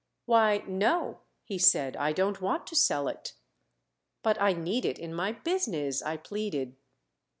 "Why no," he said. "I don't want to sell it." "But I need it in my business," I pleaded.